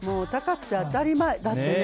高くて当たり前。